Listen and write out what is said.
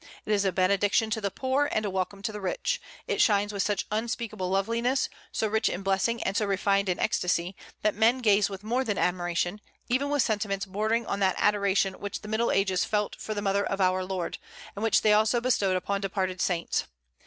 It is a benediction to the poor and a welcome to the rich. It shines with such unspeakable loveliness, so rich in blessing and so refined in ecstasy, that men gaze with more than admiration, even with sentiments bordering on that adoration which the Middle Ages felt for the mother of our Lord, and which they also bestowed upon departed saints.